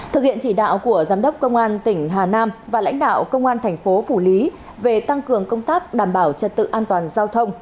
thực hiện chỉ đạo của giám đốc công an tỉnh hà nam và lãnh đạo công an thành phố phủ lý về tăng cường công tác đảm bảo trật tự an toàn giao thông